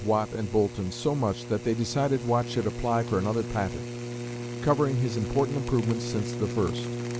Watt and Boulton so much that they decided Watt should apply for another patent, covering his important improvements since the first.